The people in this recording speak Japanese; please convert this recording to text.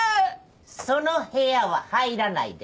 その部屋は入らないで。